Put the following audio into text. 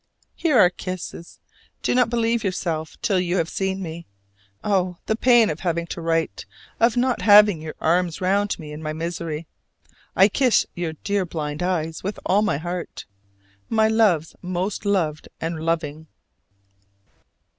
Here are kisses. Do not believe yourself till you have seen me. Oh, the pain of having to write, of not having your arms round me in my misery! I kiss your dear blind eyes with all my heart. My Love's most loved and loving.